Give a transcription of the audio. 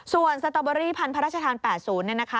ส่วนสตอเบอรี่พันพระราชทาน๘๐เนี่ยนะคะ